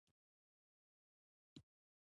فوټبال زموږ ملي یووالی ټینګوي.